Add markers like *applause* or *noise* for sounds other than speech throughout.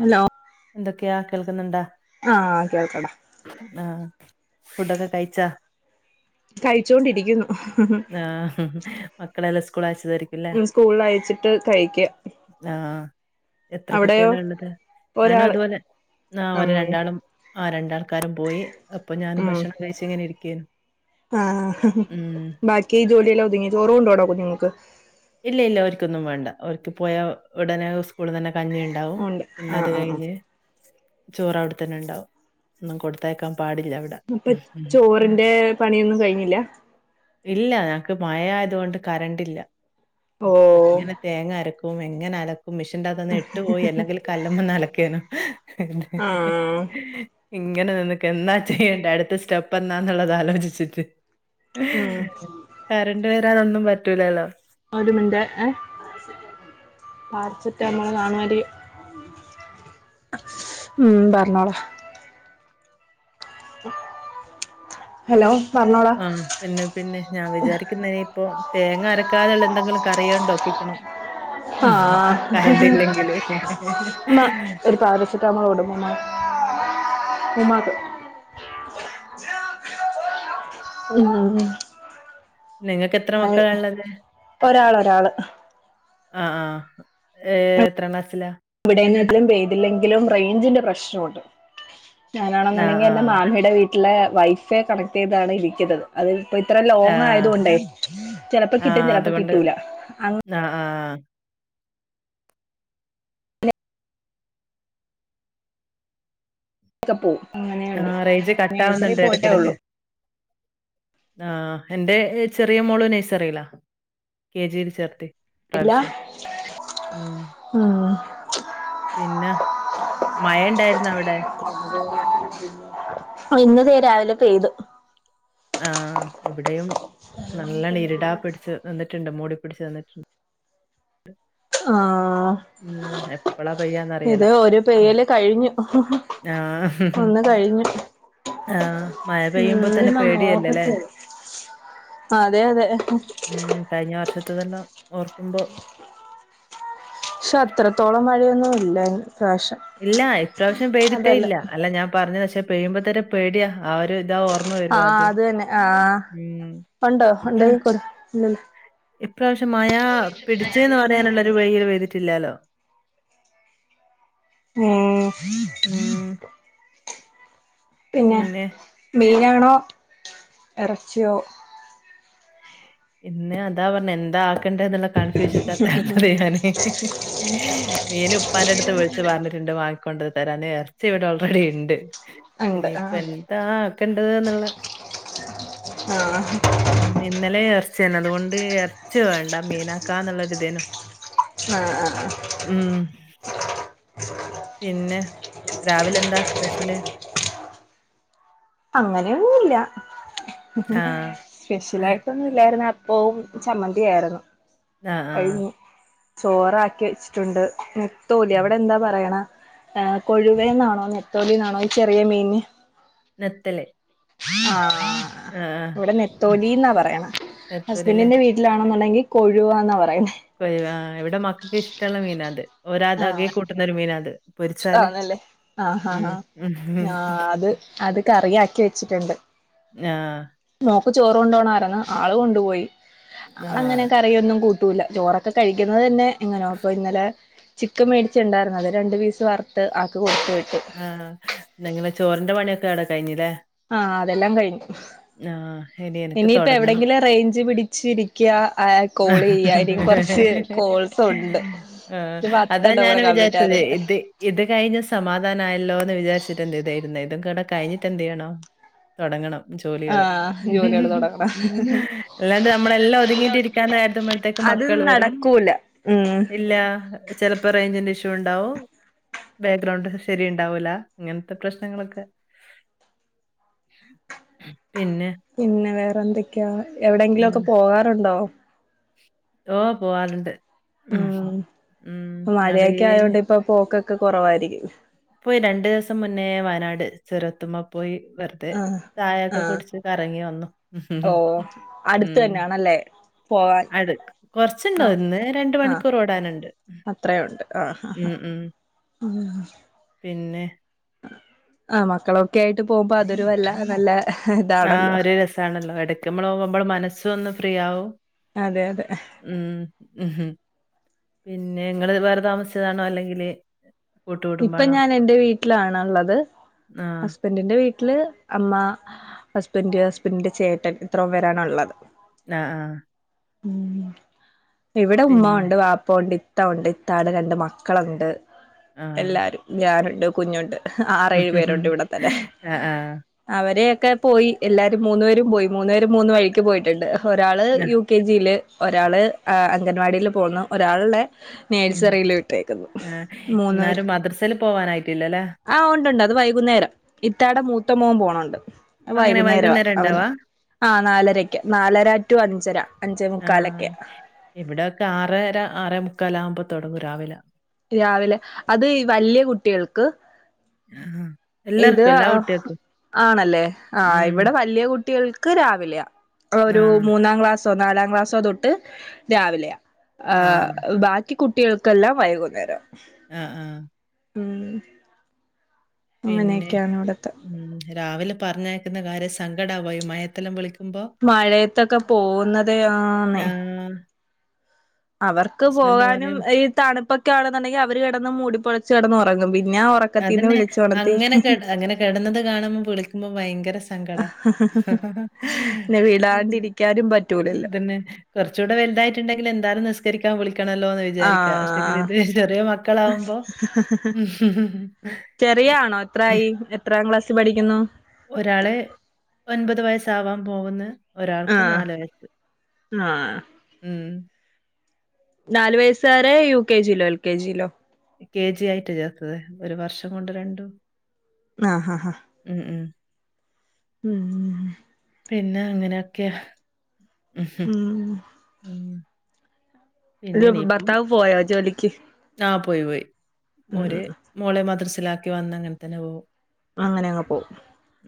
Hello എന്തൊക്കെയാ കേൾക്കുന്നുണ്ടാ ആഹ കേൾക്ക ആഹ ഫുഡൊക്കെ കഴിച്ചാ ആഹ് മക്കളെല്ലാം സ്കൂൾ അയച്ചതായിരിക്കുംല്ലേ കഴിച്ചുകൊണ്ടിരിക്കുന്നു സ്കൂളിൽ അയച്ചിട്ട് കഴിക്കുക ആഹ എത്ര കുട്ടിയോളാണ് ഉള്ളത് ഞാനും ഒരാള് അതുപോലെ ആ ഒരു ഉം രണ്ടാളും ആ രണ്ടാ ആൾക്കാരും പോയി അപ്പൊ ഞാനും ഭക്ഷണം കഴിച്ച ഇങ്ങനെ ഇരിക്ക ആ ബാക്കി ജോലിയെല്ലാം ഒതുങ്ങി ചോറ് കൊണ്ടോണോ കുഞ്ഞുങ്ങൾക്ക് ഇല്ല ഇല്ല ഒർക്കൊന്നും വേണ്ട ഒർക്ക് പോയാ ഉടനെ സ്കൂള തന്നെ കഞ്ഞി ഉണ്ട് ഉണ്ടാവും പിന്നെ ആഹ് അത് ആഹ് ആഹ് കഴിഞ്ഞ് ചോറ് അവിടെത്തന്നെ ഉണ്ടാവും ഒന്നും കൊടുത്തേക്കാൻ പാടില്ല അവിടെ അപ്പൊ ചോറിന്റെ പണിയൊന്നും കഴിഞ്ഞില്ല ഇല്ല ഞക്ക് മഴയായതുകൊണ്ട് കറണ്ട് ഇല്ല ഓ ഇപ്പൊ എങ്ങനെ തേങ്ങ അരക്കും എങ്ങനെ അലക്കും മിഷിൻന്റെ അകതൊന്ന് നെട്ടു പോയി അല്ലെങ്കിൽ കല്ലമ്മെന്നു അലക്കനു ആഹ് ഇങ്ങനെ നിനക്ക് എന്താ ചെയ്യണ്ട അടുത്ത സ്റ്റെപ്പ് എന്നാന്നുള്ളത് ആലോചിച്ചിട്ട് ഉം കറണ്ട് വരാനൊന്നും പറ്റൂലല്ലോ ഒരു മിറ്റ് ഏഹ് പാരസെറ്റമോൾ കാണുമായിരിക്കും ഉം പറഞ്ഞോളെ *inaudible* ഹലോ പറഞ്ഞോളൂ ആഹ് പിന്നെ പിന്നെ ഞാൻ വിചാരിക്കുന്നതിനിയിപ്പൊ തേങ്ങ അരക്കാതെയുള്ള എന്തെങ്കിലും കറിയണ്ട് ഒപ്പിക്കണം ഉം ആഹ് കറണ്ട് ഇല്ലെങ്കില് ചിറ്റാമളോട് പൂമാ പൂമാക്ക് ഉം ഉം നിങ്ങക്ക് എത്ര മക്കള ഉള്ളത് ഒരാൾ ഒരാള് ആഹ് ആഹ് എത്ര ക്ലാസിലാ ഇവിടെന്നട്ടലും പെയ്തില്ലെങ്കിലും റേഞ്ചിന്റെ പ്രശ്നമുണ്ട് ആഹ് ഞാനാണെന്നുണ്ടെങ്കി എന്റെ ആഹ് മാമയുടെ വീട്ടിലെ വൈഫൈ കണക്ട് ചെയ്താണ് ഇരിക്കരുന്നത് അത് ഇപ്പോ ഇത്ര ലോങ്ങ് ആയത ആഹ് കൊണ്ടായി ചിലപ്പോ കിട്ടും ആഹ് ചിലപ്പോ അതുകൊണ്ട് കിട്ടൂല ആഹ് ആഹ് തപ്പോ അങ്ങനെ ആഹ് റേഞ്ച് കട്ട ആവുന്നുണ്ട് ഇടക്കിടക്ക് ആഹ് എന്റെ ചെറിയ മോള് നെയ്സറില്ലാ കെ ജിൽ ചേർത്തി ഇല്ല പ്രാവശ്യം ഉം ഉം പിന്നെ മയ ഉണ്ടായിരുന്ന അവിടെ ഇന്ന്തേ രാവിലെ പെെയ്തു ആഹ് ഇവിടെയും നല്ലണ ഇരുടാ പിടിച്ചു നിന്നിട്ടുണ്ട് മൂടി പിടിച്ച് നിന്നിട്ടുണ്ട് ഉം ആഹ് എപ്പളാ പെയ്യാന്നറിയില്ല ഇത് ഒരു പെരേല് കഴിഞ്ഞു ആഹ് ഒന്ന് കഴിഞ്ഞു ആഹ് മഴ പെയ്യുമ്പോ തന്നെ പേടിയല്ലല്ലേ നോക്ക അതെ അതെ ഉം കഴിഞ്ഞ വർഷത്ത തന്നെ ഓർക്കുമ്പോ പക്ഷെ അത്രത്തോളം മഴയൊന്നും ഇല്ല പ്രാവശ്യം ഇല്ല ഇപ്രാവശ്യം പെയ്തിട്ടേ ഇല്ല അല്ല ഞാൻ പറഞ്ഞു പക്ഷെ പെയ്യുമ്പോത്തന്നെ പേടിയാ ആഹ് ഒരു ഇതാ ഓർമ്മ വരുവ ആഹ് ആദ്യം അത് തന്നെ ആഹ് ഉം ഉണ്ടോ ഇപ്രാ ഉണ്ടേ കൊടു പിന്ന ഇപ്രാവശ്യം മഴ പിടിച്ചന്ന് പറയാനുള്ള ഒരു വഴിയിൽ വഴ്തിട്ടില്ലാലോ ഉം ഉം പിന്നെ മീനണോ ഇറച്ചിയോ പിന്ന അതാ പറഞ്ഞ എന്താ ണ്ടുള്ള കൺഫ്യൂഷന്റെത്തള്ളത് ഞാന് മീൻ ഉപ്പാന്റെ അടുത്ത് പറഞ്ഞിട്ടുണ്ട് വങ്ങിക്കൊണ്ട തരാ ഇറച്ചി ഇവിടെ ഓൾറെഡി ഉണ്ട് ഉണ്ട് ഇനി ഇപ്പ ആഹ് എന്താ ആക്കേണ്ടത് എന്നുള്ള ആഹ് ഉം ഇന്നലെ ചർച്ചയാണ് അതുകൊണ്ട് ച്ച വേണ്ട മീനാക്കാ എന്നുള്ളൊരി ഇതേനും ആഹ് ഉം പിന്നെ രാവിലെ എന്താ സ്പെഷ്യല് അങ്ങനെയൊന്നുമില്ല ആഹ് സ്പെഷ്യലായിട്ടൊന്നുംല്ലായിരുന്ന പോവും ചമ്മന്തിയായിരുന്നു ആഹ് ആഹ് കഴിഞ്ഞ് ചോറാക്കി വെച്ചിട്ടുണ്ട് നെത്തോലി ആഹ് അവിടെന്താ പറയണ് കൊഴുവേന്നാണോ നെത്തോലിന്നാണോ ഈ ചെറിയ മീന് നെത്തൊലി ആഹ് ഇവിടെ ഉം നെത്തോലി എന്നാ പറയണ നെത്തോലല്ലേ ഹസ്ബൻഡിന്റെ വീട്ടി ലാണെന്നുണ്ടെങ്കി കൊഴുവാന്ന പറയുന്നെ ഇവിടെ മക്കക്ക് ഇഷ്ടമുള്ള മീന അത് ഒരാ ആകെ ആഹ് കൂട്ടുന്നൊരു മീന അത് പൊരിച്ചാല് ആന്നല്ലേ ആഹ് ആഹ് ഉം ആഹ് ഉം ആഹ് അത് അത് കറിയാക്കി വെച്ചിട്ടുണ്ട് ആഹ് മോക്ക് ചോറ് കൊണ്ടോണാര്ന്ന് അവള് കൊണ്ടുപോയി അവളങ്ങനെ ആഹ് കറിയൊന്നും കൂട് ട്ടൂല ചോറൊക്കെ കഴിക്കുന്നത് തന്നെ എങ്ങനോ അപ്പൊ ഇന്നലെ ചിക്കൻ മേടിച്ചുണ്ടായിരുന്നു അത് രണ്ട് പീസ് വറത്ത് ആക്ക് കൊടുത്ത് വിട്ട് ആഹ് എന്നങ്ങനെ ചോറിന്റെ പണിയൊക്കെ അടെ കഴിഞ്ഞില്ലേ ആഹ് അതെല്ലാം കഴിഞ്ഞു ആഹ് ഇനി എനിക്ക് ഇനിയിപ്പ തൊടങ്ങണം. എവിടെയെങ്കിലും റേഞ്ച് പിടിച്ച ഇരിക്കുക കോള് ചെയ്യ ഇല്ലെ കുറച്ച് കോൾസ് ഉണ്ട് ആഹ് ഇപ്പ അതാ പത്തെണ്ണം കൂടെ ഞാനും കംപ്ലീറ്റ് വിചാരിച്ചത് ആകാനുണ്ട് ഇത് ഇത് കഴിഞ്ഞ് സമാധാനമായല്ലോ എന്ന് വിചാരിച്ചിട്ട് എന്ത് ചെയ ഇതായിരുന്ന ഇതും കൂടെ കഴിഞ്ഞിട്ട എന്ത് ചെയ്യണം തൊടങ്ങണം ജോലികള് ആഹ് ജോലികള് തൊടങ്ങണം അല്ലാണ്ട് നമ്മളെല്ലാം ഒത്ങ്ങിട്ടിരി ക്കാൻനേരത്താമ്പഴത്തേക്ക് അത് മക്കള് വരും നടക്കൂല ഉം ഇല്ല ചെലപ്പ റേഞ്ചിന്റെ ഇഷ്യൂണ്ടാവും ബാക്ക്ഗ്രൗണ്ട് ശെരിയുണ്ടാവൂല ഇങ്ങനത്തെ പ്രശ്നങ്ങളൊക്കെ പിന്നെ പിന്നെ വേറെ എന്തൊക്കെയാ എവിടെങ്കിലും ഉം, ഒക്കെ പോകാറുണ്ടോ ഓഹ് പോവാറുണ്ട് ഉം ഉം അടേ ഇപ്പ പോക്കൊക്കെ കൊറവാരിക്കും പോയി രണ്ട് ദിവസം മുന്നേ വയനാട് ചുരത്തുമ്മേപോയി വെറുതെ ആഹ് ചയയൊക്കെ കുടിച്ച് കറങ്ങി വന്നു ഓഹ് അട്ത്തന്നെആണല്ലേ അത് കൊറച്ച്ണ്ട് ഒന്ന് രണ്ട്മണിക്കൂറ് ഓടാനൊണ്ട് അത്രേം ഒണ്ട് ആഹ് ആഹ് ഉം ഉം *inaudible* പിന്നെ ആഹ് മക്കളൊക്കെ ആയിട്ട് പോകുമ്പ അതൊരുവല്ല നല്ല ആഹ് ഇതാണല്ലോ ഒര് രസാണല്ലോ എടക്ക്‌മ്മള് പോമ്പള് മനസ്സ് ഒന്നും ഫ്രീ ആവും അതെ അതെ ഉം ഉം പിന്നെ ഇങ്ങള് വേറെ താമസിച്ചതാണോ അല്ലെങ്കില് ഇപ്പം ഞാൻ എന്റെ വീട്ടിലാണ്ള്ളത് ഹസ് ആഹ്. ഹസ്ബന്റിന്റെ വീട്ടില് അമ്മ ഹസ്ബന്റ് ഹസ്ബന്റിന്റെ ചേട്ടൻ ഇത്രയും പേരാണ്ള്ളത്. ആഹ് ആഹ് ഉം ഇവിടെ പിന്നെ ഉമ്മ ഒണ്ട് വാപ്പഒണ്ട് ഇത്തഒണ്ട് ഇത്താടെ രണ്ട് മക്കളൊണ്ട് ആഹ്. എല്ലാരും ഞാനൊണ്ട് കുഞ്ഞൊണ്ട് ആറേഴു പേരൊണ്ട് ഇവ്ടെത്തന്നെ ആഹ് ആഹ്. അവരെയൊക്കെ പോയി എല്ലാരും മൂന്ന് പേരും പോയി മൂന്ന് പേരും മൂന്ന് വഴിക്ക് പോയിട്ട്ണ്ട് ഒരാള് ന യു കെ ജില് ഒരാള് അംഗനവാടില് പോന്നു ഒരാള്ടെ ഉം. നേഴ്സറില് വിട്ടേക്ക്‌ന്നു മൂന്നുപേരും. ത്തില് പോവാനായിട്ടില്ലലെ ആഹ് ഒണ്ട് ഒണ്ട് അത് വൈകുന്നേരം ഇത്തവണ മൂത്ത മോൻ പോണൊണ്ട് അത് അങ്ങനെ വൈകുന്നേരവാ വൈകുന്നേരം അവന്. ഇണ്ടാവാ? ആഹ് നാലരക്ക്‌ നാലര റ്റു അഞ്ചര അഞ്ച മുക്കാലൊക്കെ. ഇവ്ടെഒക്കെ ആറെര ആറെ മുക്കാല ആവ്മ്പ തൊടങ്ങും രാവിലെ രാവിലെ അത് വല്യ കുട്ടികൾക്ക് ആഹ് ആഹ് ഇത് ആണല്ലേ ആഹ് ഉം. ഇവ്ടെ വല്യ കുട്ടികൾക്ക് രാവിലെയാ. ഒരു ആഹ്. മൂന്നാം ക്ലാസ്സോ നാലാം ക്ലാസ്സോ തൊട്ട് രാവിലെയാ ആ ആഹ്. ബാക് ക്കി കുട്ടികൾക്കെല്ലാം വൈകുന്നേരം. ആഹ് ആഹ് ഉം പിന്നെ അങ്ങനെയൊക്കെയാണ് ഇവിടത്തെ ഉം രാവിലെ പറഞ്ഞയ്ക്കുന്ന കാര്യ സങ്കടാവാ മയത്തല്ലാം വിളിക്ക് മഴയത്തൊക്കെ പോവ്ന്നതെ ആന്നെ. ഉം അവർക്ക് പോവാനും പറയും ഈ തണുപ്പൊക്കെ ആണെന്ന്ണ്ടെങ്കി അവര് കെടന്ന് മൂടിപ്പൊതച്ച് കെടന്ന് ഒറങ്ങും പിന്നെ ആ ഒറ അതന്നെ അങ്ങനെ കെട അങ്ങനെ കെടന്നത് കാണുമ്പ വ്ളിക്ക്മ്പ ഭയങ്കര സങ്കടാ *unintelligible* പിന്നെ വിടാണ്ടിരിക്കാനും പറ്റൂലല്ലോ കൊറച്ച് കൂടെ വല്തായിട്ട്ണ്ടങ്കി എന്താലും നിസ്കരിക്കാൻ വിളിക്കണല്ലോന്ന് വിചാരിക്കാ പഷേങ്കില് ആ ഇദ് ചെറിയ മക്കളാവ്മ്പോ *unintelligible* ചെറിയാണോ എത്രായി എത്രാം ക്ലാസ്സി പഠിക്കുന്നു? ഒരാള് ഒൻപത് വയസ്സാവാൻ പോക്ന്ന് ഒരാൾക്ക് ആഹ് നല് വയസ് ആഹ് ഉം നാലല് വയസ്സകാരെ യു കെ ജിയിലോ എൽ കെ ജിയിലോ യു കെ ജി ആയിട്ട് ചേർത്തത് ഒരു വർഷം കൊണ്ട് രണ്ടും ആഹ് അഹ ഹ ഉം ഉം ഉം പിന്നെ അങ്ങനൊക്കെ ആഹ് ഉം പിന്നെ ഒരു ഭർത്താവ് പോയോ ജോലിക്ക് ആഹ് പോയി പോയി ഒര് ഉം മോളെ മദ്രസിലാക്കി വന്ന് അങ്ങനെ തന്നെ പോകും അങ്ങനെ അങ്ങ് പോവും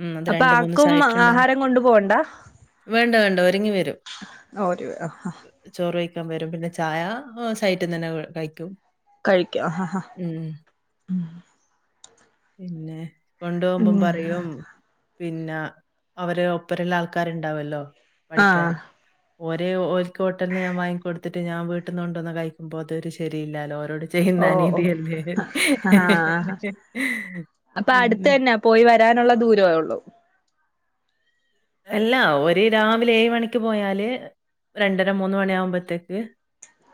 ഉം. അത് അപ്പൊ ആക്കും സൈറ്റുണ്ടാവും. ആഹാരം കൊണ്ടു പോകണ്ട വേണ്ട വേണ്ട ഒരുങ്ങി വരും ഓര് *unintelligible* ചോറ് വഴിക്കാൻ വരും പിന്നെ ചായ സൈറ്റിൽ തന്നെ കഴിക്കും കഴിക്കാം ആഹ് ഹ ഹ ഉം. പിന്നെ കൊണ്ട് ഉം പോകുമ്പം പറയും പിന്നെ അവര് ഒപ്പരള്ള ആൾക്കാരുണ്ടാവല്ലോ ആഹ് പഠിക്കറ് ഒര ഓലക്ക്ട്ടൽ നി ഞാൻ വാങ്ങിക്കൊടുത്തിട്ട് ഞാൻീട്ടന്നന്ന് കൊണ്ടന്നന്ന് കഴിക്കുമ്പോ അത്രു ശരില്ലോ ഓരോട് ഓ ചെയ്യുന്നാന ഓ ഇതിയല്ലേ ആഹ് അപ്പൊ അടുത്ത് *unintelligible* തന്നാ പോയി വരാനുള്ള ദൂരേ ഉള്ളൂ അല്ല ഒരു രാവിലെ ഏഴ് മണിക്ക് പോയാല് രണ്ടര മൂന്ന് മണിയ ആകുമ്പോത്തേക്ക്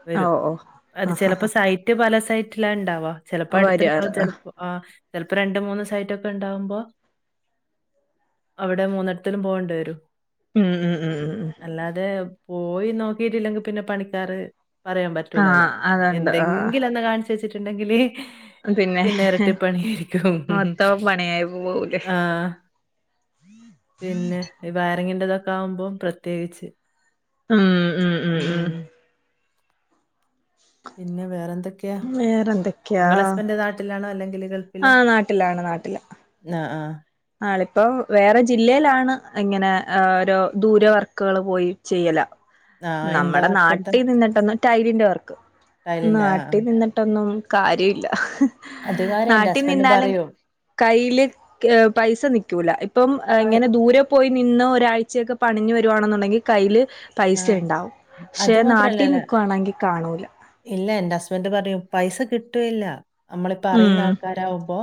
വരും ഓ ഓ അത് ആഹ് ചിലപ്പോ ആഹ് സഹ യ്റ്റ് പല സൈറ്റിലാ ഉണ്ടാവാ ചിലപ്പോ ആഹ് അടുത്തുണ്ടാവും വരാറ് ചിലപ്പോ ആഹ് ചിലപ്പോ രണ്ട് മൂന്ന് സൈറ്റ് ഒക്കെ ഉണ്ടാവുമ്പോ അവിടെ മൂന്ന് ത്തില പോകേണ്ട വരും ഉം ഉം ഉം ഉം അല്ലാതെ പോയി നോക്കിട്ടില്ലെങ്കി പിന്നെ പണിക്കാറ് പറയാൻ പറ്റൂലല്ലോ ആഹ് അതുണ്ട് ആഹ് എന്തെങ്കിലുംന്ന് കാണി വെച്ചിട്ടുണ്ടെങ്കില് പിന്നെ ഇരട്ടിപ്പണി ആയിരിക്കും മൊത്തം പണിയായി പോവൂലേ ആഹ് പിന്നെ ഈ വയരങ്ങിറതൊക്കെ ആകുമ്പോം പ്രത്യേകിച്ച് ആഹ് ആഹ് ആഹ് ആഹ് പിന്നെ വേറെ എന്തൊക്കെയാ വേറെന്തൊക്കെയാ നിങ്ങള ഹസ്ബന്റ് നാട്ടിലാണോ അല്ലെങ്കില് ഗൾ ആഹ് നാട്ടിലാണ് നാട്ടില് ആഹ് ആഹ് ആളിപ്പോ വേറെ ജില്ലയിലാണ് ഇങ്ങനെ ഒരോ ദൂര വർക്കുകള് പോയി ചെയ്യലാ ആ എന്താ നമ്മുടെ വർക്കെന്താ? നാട്ടിൽ നിന്നിട്ടന്ന് ടൈലിന്റെ വർക്ക് ടൈലിന്റെ. ആ, ആ. നാട്ടി നിന്നിട്ടൊന്നും കാര്യല്ല അത് കാര്യം എന്റെ നാട്ടിൽ ഹസ്ബൻഡ് നിന്നാലും പറയും. കയ്യില് പൈസ നിക്കൂല ഇപ്പം പയ് ഇങ്ങനെ ദൂരെ പോയി നിന്ന് ഒരാഴ്ചയൊക്കെ പണിഞ്ഞു വരുവാണെന്നുണ്ടെങ്കി കയ്യില് പൈസ ആഹ്. ഇണ്ടാവും പക്ഷേ അത് നാട്ടി മാത്രല്ലല്ല നിക്കുവാണെങ്കി കാണൂല്ല ഇല്ല എൻ്റെ ഹസ്ബന്റ് പറയും പൈസ കിട്ടൂല്ല നമ്മളിപ്പ അറിയുന്ന ഉം ആൾക്കാരാവുമ്പോ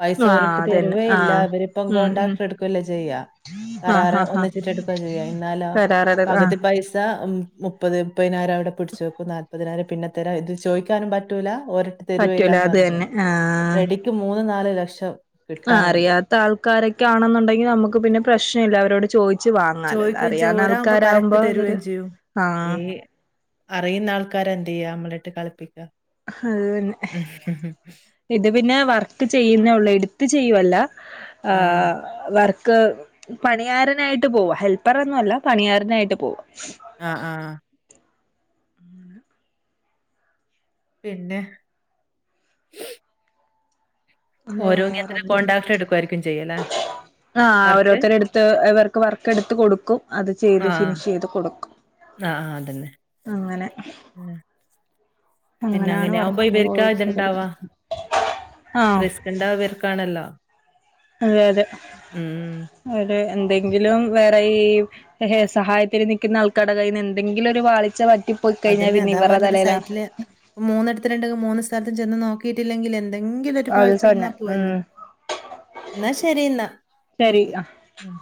പൈസ ആ ഓരൊട്ട് അതന്നെ തരുവേ ആ ഇല്ല അവരിപ്പം ഉം ഉം കോൺട്രാക്ട് എടു ചെയ്യ ആ ഹാ *unintelligible* ഹാ ഒന്നിച്ചിട്ട് എടുക്കാ ചെയ്യാ എന്നാലോ വരാറ പകു ആ പൈസ മുപ്പത് മുപ്പതിനായിരം അവിടെ പിടിച്ചു വെക്കും നാല്പതിനായിരം പിന്നെ തരാം ഇത് ചോദിക്കാനും പറ്റൂല ഒര് പറ്റൂല തരുവയില്ലാന്ന് അത് തന്നെ പറഞ്ഞിട്ടുണ്ട് ആഹ് റെഡിക്ക് മൂന്ന് നാല് ലക്ഷം കിട്ടാനുണ്ട്. അറിയാത്ത ആൾക്കാരൊക്കെ ആണെന്നുണ്ടെങ്കി നമുക്ക് പിന്നെ പ്രശ്നം ഇല്ല അവരോട് ചോദ ച്ച് വാങ്ങാലോ ചോദിക്കുകയും ചെയ്യും. അറിയാവുന്ന ഒരാകുമ്പോ ആൾക്കാരാവുമ്പോ കറക്റ്റ് അതൊരു തരുകയും ചെയ്യും. ആഹ് ഈ അറിയുന്ന ആൾക്കാര് എന്ത് ചെയ്യാ നമ്മളിട്ട് കളിപ്പിക്കും ആഹ് എന്നിട്ട് *inaudible* ഇത് പിന്നെ വർക്ക് ചെയ്യുന്നേ ഉള്ളൂ എടുത്ത് ചെയ്യുവല്ല ആ. ആഹ് വർക്ക് പണിയാരനായിട്ട് പോവാ ഹെൽപ്പറൊന്നുല്ല പണിയാരനായിട്ട് പോവും ആഹ് ആഹ് പിന്നെ ഓരോ ഇങ്ങനത്തെ വേറെന്തേ കോട്രാക്ട് എടുക്കുവായിരിക്കും ചെയ്യലേ ആ ഓരോരുത്തര് എടുത്ത് ഇവർക്ക് വർക്ക് എടുത്ത് കൊടുക്കും അത് ചെയ്ത് ഫിനിഷ് ചെയ്ത് കൊടുക്കും ആഹ് ആ അതന്നെ അങ്ങനെ ആഹ് പിന്നെ അങ്ങനാണ് അങ്ങനെയാമ്പോ വർക്കിന് ഇവർക്കാ പോയിരിക്കുന്നത് ഇതുണ്ടാവാ ആഹ് റിസ്ക് ഇണ്ടാവ ഇവർക്കാണല്ലോ അതെ ഉം. അതെ എന്തെങ്കിലും വേറെ ഈ ഹേ സഹായത്തിൽ നിൽക്കുന്ന ആൾക്കടെ കയ്യിന്ന് എന്തെങ്കിലും ഒരു പാളിച്ച വറ്റിപ്പോയിക്കഴിഞ്ഞാൽ പിന്നെ ഇവരുടെ തലയിലാ മൂന്നിടത്തുണ്ടെങ്കി മൂന്ന് സ്ഥലത്ത് ചെന്ന് നോക്കിയിട്ടില്ലെങ്കിൽ എ എന്തെങ്കിലും ഒരു അത് പാളിച്ച വന്നാ തന്നെ ഉം പോവല്ലോ എന്നാ ശരി എന്നാ ശരി നിക്ക് ആഹ് ഉം